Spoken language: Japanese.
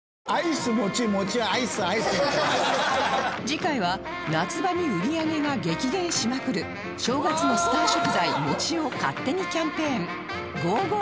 次回は夏場に売り上げが激減しまくる正月のスター食材もちを勝手にキャンペーン ＧＯＧＯ サマーもち